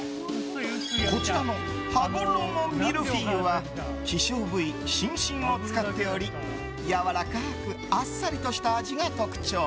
こちらの羽衣ミルフィーユは希少部位、シンシンを使っておりやわらかくあっさりとした味が特徴。